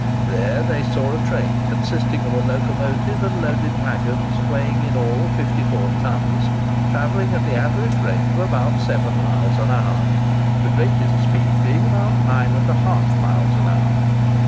There they saw a train, consisting of a locomotive and loaded waggons, weighing in all 54 tons, travelling at the average rate of about 7 miles an hour, the greatest speed being about 9½ miles an hour.